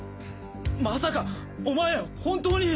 まさかおまえ本当に！